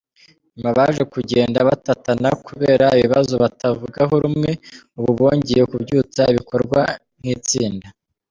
Nyuma baje kugenda batatana kubera ibibazo batavugaho rumwe, ubu bongeye kubyutsa ibikorwa nk’itsinda.